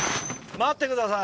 待ってください。